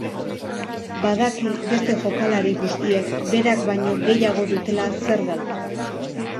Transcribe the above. Badaki beste jokalari guztiek, berak baino gehiago dutela zer galdu.